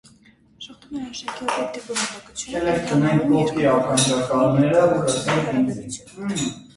Ժխտում էր արժեքի օբյեկտիվ բովանդակությունը, այն համարում երկու փոխանակվող ծառայությունների հարաբերություն։